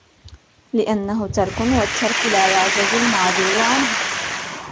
لِأَنَّهُ تَرْكٌ وَالتَّرْكُ لَا يَعْجَزُ الْمَعْذُورُ عَنْهُ